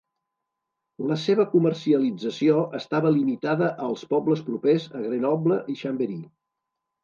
La seva comercialització estava limitada als pobles propers a Grenoble i Chambéry.